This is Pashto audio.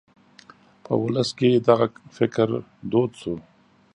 په ولس کې دغه فکر دود شو.